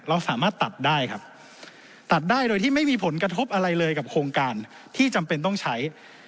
เราสามารถตัดได้ครับตัดได้โดยที่ไม่มีผลกระทบอะไรเลยกับโครงการที่จำเป็นต้องใช้